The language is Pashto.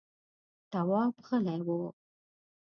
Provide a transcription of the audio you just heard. تواب غلی و…